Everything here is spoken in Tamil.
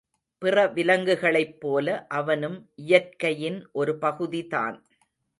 பிற விலங்குகளைப்போல அவனும் இயற்கையின் ஒரு பகுதிதான்.